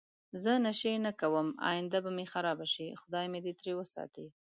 زه نشی نه کوم اینده به می خرابه شی خدای می دی تری وساتی